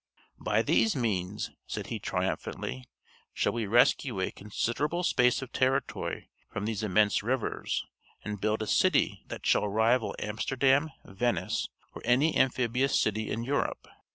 "By these means," said he, triumphantly, "shall we rescue a considerable space of territory from these immense rivers, and build a city that shall rival Amsterdam, Venice, or any amphibious city in Europe."